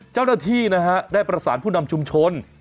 เจ้าหน้าที่นะฮะได้ประสานผู้นำชุมชน